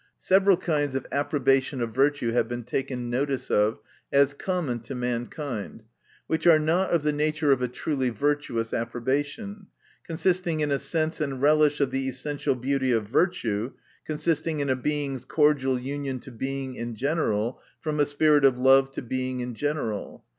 Several kinds of approba tion of virtue have been taken notice of, as common to mankind, which are not of the nature of a truly virtuous approbation, consisting in a sense and relish of the essential beauty of virtue, consisting in a Being's cordial union to Being in general, from a spirit of love to Being in general.